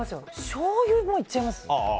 しょうゆもいっちゃいます？